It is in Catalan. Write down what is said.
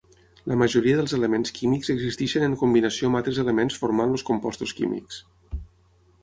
La majoria dels elements químics existeixen en combinació amb altres elements formant els composts químics.